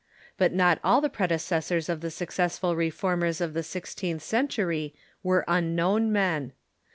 But not all the predecessors of the successful reformers of the sixteenth century were unknown men.